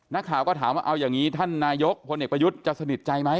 นักข่าวก็ถามว่าเอาอย่างนี้ท่านนายกพลเอกประยุทธ์จะสนิทใจไหม